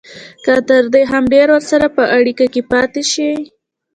که تر دې هم ډېر ورسره په اړیکه کې پاتې شي